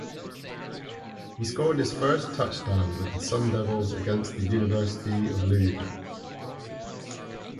He scored his first touchdown with the Sun Devils against the University of Louisville.